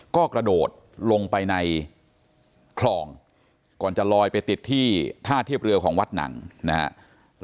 ก็กระโดดลงไปในคลองก่อนจะลอยไปติดที่ท่าเทียบเรือของวัดหนังนะครับ